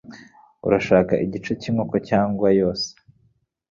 Urashaka igice cyinkoko cyangwa yose